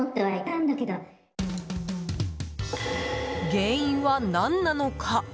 原因は何なのか。